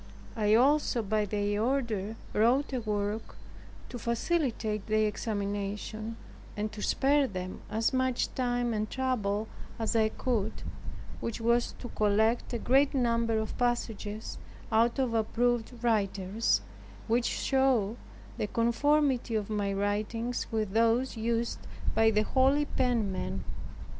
I also, by their order, wrote a work to facilitate their examination, and to spare them as much time and trouble as I could, which was to collect a great number of passages out of approved writers, which showed the conformity of my writings with those used by the holy penmen.